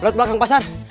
kemudian belakang pasar